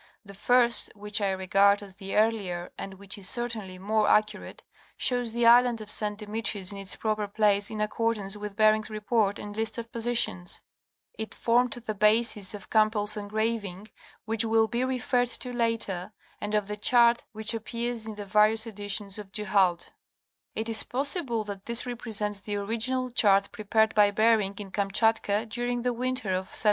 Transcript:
The first, which I regard as the earlier, and which is certainly more accu rate. shows the island of St. Demetrius in its proper place in accord ance with Bering's Report and list of positions. It formed the basis of * Lauridsen, Am. ed., p. 57. Review of Bering's First Expedition, 1725 30. 121 Campbell's engraving which will be referred to later, and of the chart which appears in the various editions of Du Halde. It is possible that this represents the original chart prepared by Bering in Kamchatka during the winter of 1728 9...